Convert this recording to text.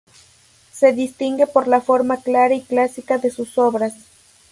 Se distingue por la forma clara y clásica de sus obras.